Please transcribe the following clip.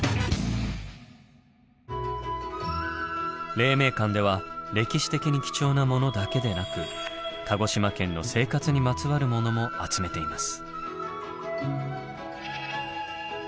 黎明館では歴史的に貴重なものだけでなく鹿児島県の生活にまつわるものも集めています。